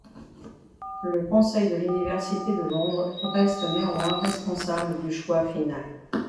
Le conseil de l'université de Londres reste néanmoins responsable du choix final.